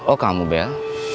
oh kamu bel